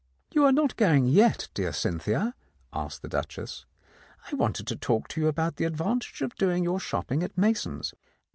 "You are not going yet, dear Cynthia?" asked the Duchess. "I wanted to talk to you about the ad vantage of doing your shopping at Mason's.